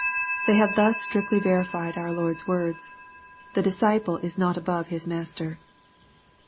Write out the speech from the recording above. They have thus strictly verified our Lord's words, The disciple is not above hii master."